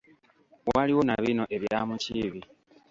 Waliwo na bino ebya Mukiibi.